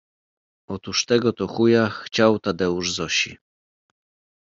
Otóż tego to chuja chciał Tadeusz Zosi